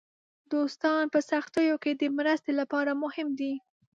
دوستان په سختیو کې د مرستې لپاره مهم دي.